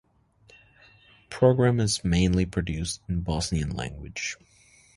Program is mainly produced in Bosnian language.